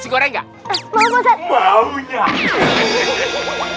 ini jadi kecepatan